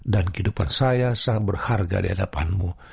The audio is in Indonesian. dan kehidupan saya sangat berharga di hadapanmu